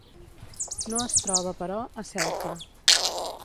No es troba però, a Ceuta.